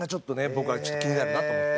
僕はちょっと気になるなと思って。